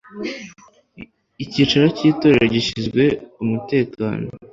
Icyicaro cy Itorero gishyizwe umutekano